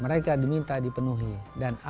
mereka diminta dipenuhi dan dikejurkan dalam al quran